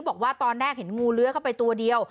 บอกว่าตอนแรกเห็นงูเลื้อยเข้าไปตัวเดียว